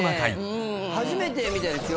初めてみたいですよ。